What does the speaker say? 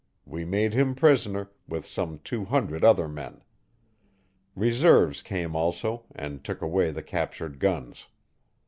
We made him prisoner, with some two hundred other men. Reserves came also and took away the captured guns.